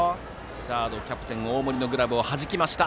サード、キャプテンの大森のグラブをはじきました。